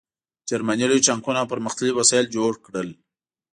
جرمني لوی ټانکونه او پرمختللي وسایل جوړ کړل